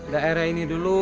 daerah ini dulu